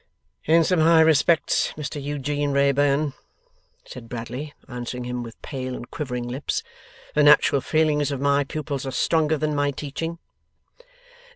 'In some high respects, Mr Eugene Wrayburn,' said Bradley, answering him with pale and quivering lips, 'the natural feelings of my pupils are stronger than my teaching.